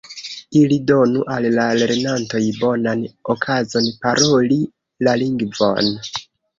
Ili donu al la lernantoj bonan okazon paroli la lingvon.